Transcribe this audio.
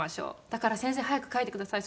だから先生早く書いてください」